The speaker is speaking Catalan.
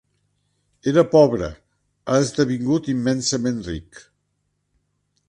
Era pobre: ha esdevingut immensament ric.